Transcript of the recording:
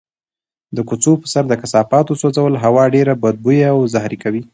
د کوڅو په سر د کثافاتو سوځول هوا ډېره بدبویه او زهري کوي.